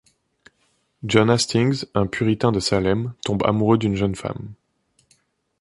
John Hastings, un puritain de Salem, tombe amoureux d'une jeune femme.